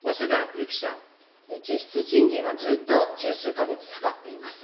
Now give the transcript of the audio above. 実質賃金はずっと十数か月下がっています。